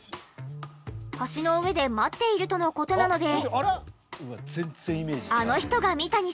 橋の上で待っているとの事なので。